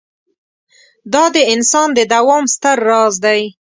دا د انسان د دوام ستر راز دی.